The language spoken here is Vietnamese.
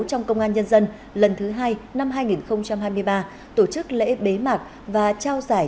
trong công an nhân dân lần thứ hai năm hai nghìn hai mươi ba tổ chức lễ bế mạc và trao giải